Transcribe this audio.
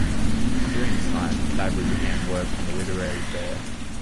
During this time, Fabbri began work on "The Literary Fair".